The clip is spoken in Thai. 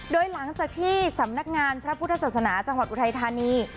โดยหลังจากที่สำนักงานพระพุทธศาสนาจังหวัดอุทัยธานี